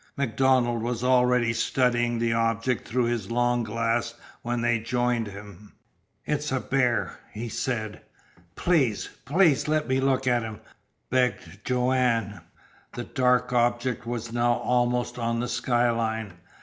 MacDonald was already studying the object through his long glass when they joined him. "It's a bear," he said. "Please please let me look at him," begged Joanne. The dark object was now almost on the skyline.